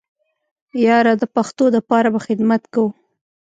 ياره د پښتو د پاره به خدمت کوو.